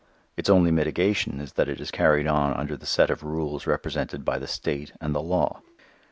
Its only mitigation is that it is carried on under the set of rules represented by the state and the law.